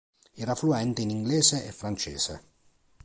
Era fluente in inglese e francese.